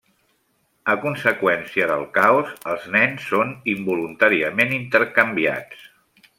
A conseqüència del caos, els nens són involuntàriament intercanviats.